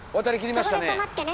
そこで止まってね